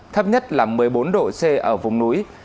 thấp nhất là một mươi bốn độ c ở vùng núi